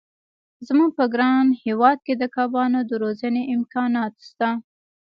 زموږ په ګران هېواد کې د کبانو د روزنې امکانات شته.